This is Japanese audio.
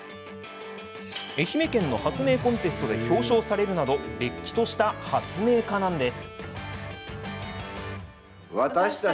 愛媛県の発明コンテストで表彰されるなどれっきとした発明家なんです。